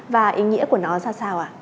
và ý nghĩa của nó ra sao ạ